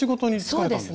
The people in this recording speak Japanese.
そうですね。